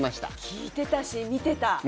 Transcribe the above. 聴いてたし、見てた！